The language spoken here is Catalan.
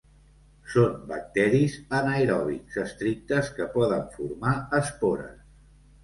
Són bacteris anaeròbics estrictes que poden formar espores.